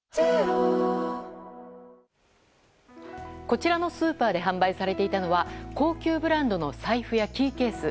こちらのスーパーで販売されていたのは高級ブランドの財布やキーケース。